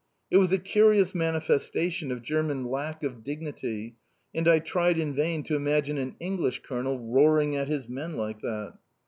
It was a curious manifestation of German lack of dignity and I tried in vain to imagine an English Colonel roaring at his men like that.